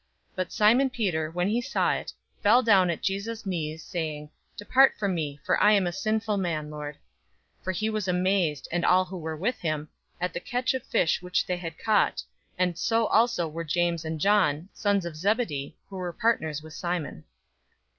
005:008 But Simon Peter, when he saw it, fell down at Jesus' knees, saying, "Depart from me, for I am a sinful man, Lord." 005:009 For he was amazed, and all who were with him, at the catch of fish which they had caught; 005:010 and so also were James and John, sons of Zebedee, who were partners with Simon.